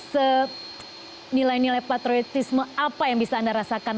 senilai nilai patriotisme apa yang bisa anda rasakan